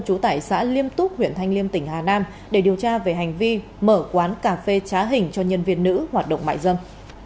trú tại xã liêm túc huyện thanh liêm tỉnh hà nam để điều tra về hành vi mở quán cà phê trá hình cho nhân viên nữ hoạt động mại dâm